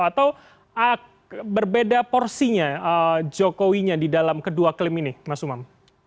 atau berbeda porsinya jokowinya di dalam kedua klaim ini mas umam